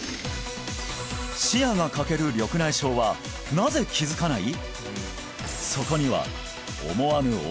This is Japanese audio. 視野が欠ける緑内障はなぜ気づかない！？